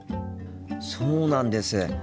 そうなんです。